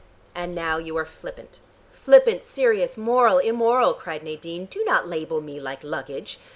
"And now you are flippant." "Flippant, serious, moral, immoral," cried Nadine, "do not label me like luggage.